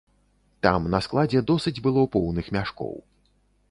Там на складзе досыць было поўных мяшкоў.